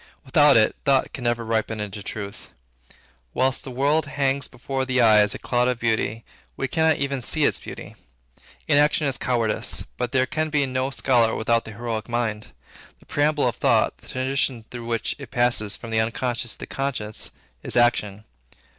Without it, thought can never ripen into truth. Whilst the world hangs before the eye as a cloud of beauty, we cannot even see its beauty. Inaction is cowardice, but there can be no scholar without the heroic mind. The preamble of thought, the transition through which it passes from the unconscious to the conscious, is action.